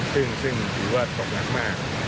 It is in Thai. ซึ่งถือว่าตกหนักมาก